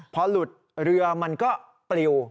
พอหลุดเรือมันก็ปลิว